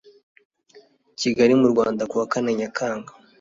kigali mu rwanda ku wa kane nyakanga